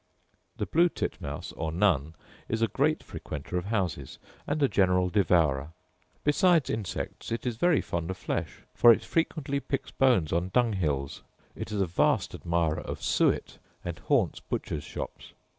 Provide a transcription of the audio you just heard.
The blue titmouse, or nun, is a great frequenter of houses, and a general devourer. Beside insects, it is very fond of flesh; for it frequently picks bones on dung hills: it is a vast admirer of suet, and haunts butchers' shops.